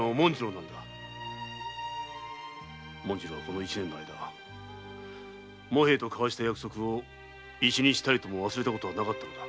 紋次郎はこの一年の間茂平と交わした約束を一日たりとも忘れたことはなかったのだ。